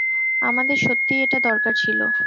আমাদের সত্যিই এটা দরকার ছিল।